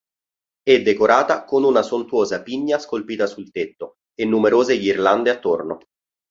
E decorata con una sontuosa Pigna scolpita sul tetto e numerose ghirlande attorno.